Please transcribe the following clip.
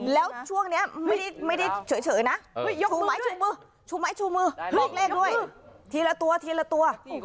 แล้วช่วงเนี้ยไม่ได้เฉลเฉลต์นะ